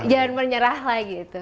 jangan menyerah lah gitu